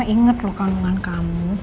ingat loh kandungan kamu